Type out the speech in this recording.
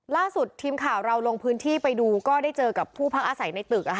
ล่าสุดทีมข่าวเราลงพื้นที่ไปดูก็ได้เจอกับผู้พักอาศัยในตึก